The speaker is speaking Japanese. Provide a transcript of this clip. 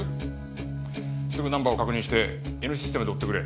すぐナンバーを確認してＮシステムで追ってくれ。